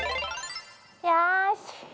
よし。